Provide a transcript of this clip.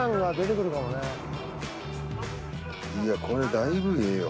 いやこれだいぶええよ。